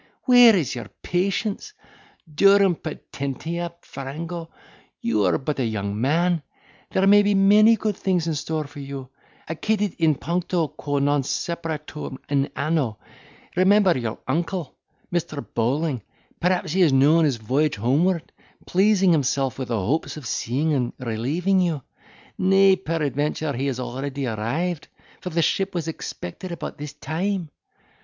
—where is your patience?—Durum patientia frango—you are but a young man—there may be many good things in store for you—accidit in puncto quo non speratur in anno—remember your uncle, Mr. Bowling; perhaps he is now on his voyage homeward, pleasing himself with the hopes of seeing and relieving you; nay, peradventure, he has already arrived, for the ship was expected about this time."